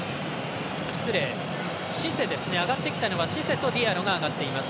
上がってきたのはシセとディアロが上がっています。